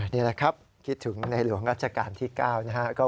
นี่แหละครับคิดถึงในหลวงราชการที่๙นะครับ